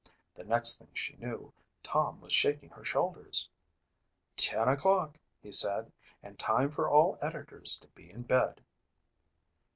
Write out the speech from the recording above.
The next thing she knew Tom was shaking her shoulders. "Ten o'clock," he said, "and time for all editors to be in bed."